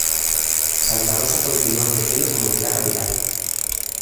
Santa Rosa continúa creciendo como ciudad capital.